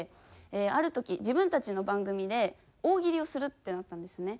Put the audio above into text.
ある時自分たちの番組で大喜利をするってなったんですね。